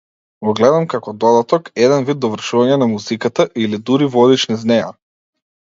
Го гледам како додаток, еден вид довршување на музиката, или дури водич низ неа.